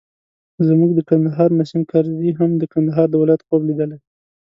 زموږ د کندهار نیسم کرزي هم د کندهار د ولایت خوب لیدلی.